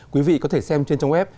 quý vị có thể xem trên trang web